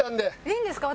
いいんですか？